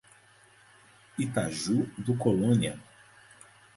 Itaju do Colônia